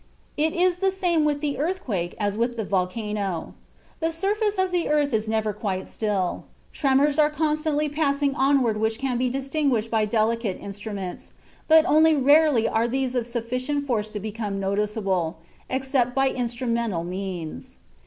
It is the same with the earthquake as with the volcano. The surface of the earth is never quite still. Tremors are constantly passing onward which can be distinguished by delicate instruments, but only rarely are these of sufficient force to become noticeable, except by instrumental means.